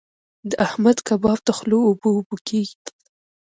د احمد کباب ته خوله اوبه اوبه کېږي.